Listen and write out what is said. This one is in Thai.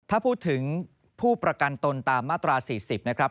ถ้าพูดถึงผู้ประกันตนตามมาตรา๔๐นะครับ